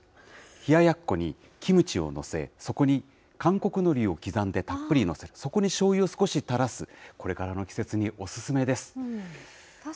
冷ややっこにキムチを載せ、そこに韓国のりを刻んでたっぷり載せ、そこにしょうゆを少し垂らす、こ確かにおいしそう。